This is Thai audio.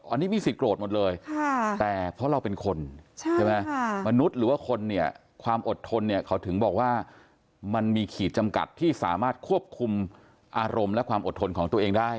อันนี้มีสิทธิโกรธหมดเลยแต่เพราะเราเป็นคนใช่ไหมมนุษย์หรือว่าคนเนี่ยความอดทนเนี่ยเขาถึงบอกว่ามันมีขีดจำกัดที่สามารถควบคุมอารมณ์และความอดทนของตัวเองได้